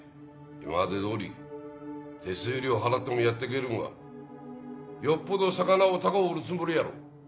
今まで通り手数料払ってもやってけるんはよっぽど魚を高う売るつもりやろ。